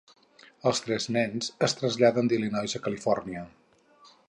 Els tres nens es traslladen d'Illinois a Califòrnia.